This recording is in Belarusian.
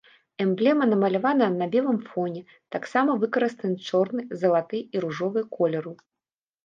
Эмблема намалявана на белым фоне, таксама выкарыстаны чорны, залаты і ружовы колеру.